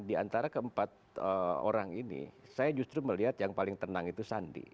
di antara keempat orang ini saya justru melihat yang paling tenang itu sandi